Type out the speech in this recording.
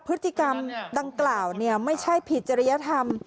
ภารกรรมดังกล่าวเนี่ยไม่ใช่ผิดจริยธรรม